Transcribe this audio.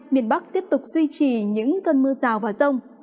miền bắc tiếp tục duy trì những cơn mưa rào và rông